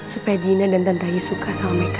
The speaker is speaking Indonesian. supaya dina dan tante ayu suka sama mereka